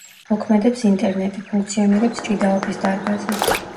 მოქმედებს ინტერნეტი, ფუნქციონირებს ჭიდაობის დარბაზი.